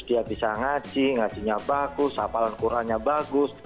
dia bisa ngaji ngajinya bagus apalan kurannya bagus